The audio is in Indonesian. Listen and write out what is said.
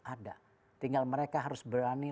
ada tinggal mereka harus berani